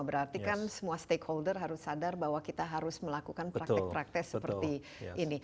berarti kan semua stakeholder harus sadar bahwa kita harus melakukan praktek praktek seperti ini